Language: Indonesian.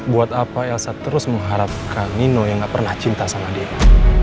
buat apa elsa terus mengharapkan nino yang gak pernah cinta sama dia